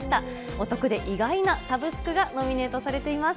お得で意外なサブスクがノミネートされています。